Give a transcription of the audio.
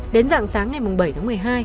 đến dạng sáng ngày bảy tháng một mươi hai